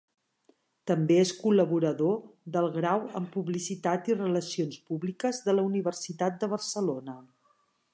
També és col·laborador del grau en Publicitat i Relacions Públiques de la Universitat de Barcelona.